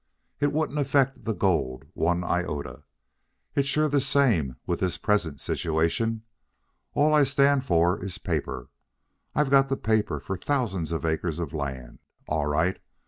It wouldn't affect the gold one iota. It's sure the same with this present situation. All I stand for is paper. I've got the paper for thousands of acres of land. All right.